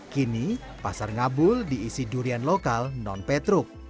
kini pasar ngabul diisi durian lokal non petruk